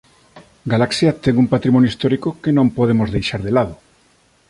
Galaxia ten un patrimonio histórico que non podemos deixar de lado.